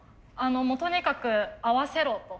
もうとにかく合わせろと。